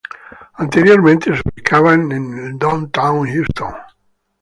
Anteriormente se ubicada en Downtown Houston.